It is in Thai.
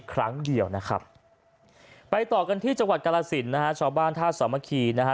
ครั้งเดียวนะครับไปต่อกันที่จังหวัดกรสินนะฮะชาวบ้านท่าสามัคคีนะฮะ